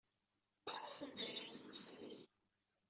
Err-asen-d ayla-nsen ttxil-k.